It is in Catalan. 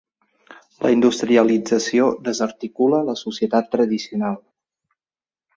La industrialització desarticula la societat tradicional.